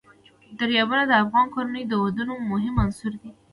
دریابونه د افغان کورنیو د دودونو مهم عنصر دی.